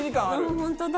本当だ！